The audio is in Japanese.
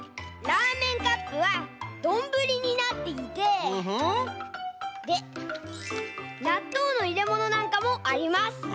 ラーメンカップはどんぶりになっていてでなっとうのいれものなんかもあります。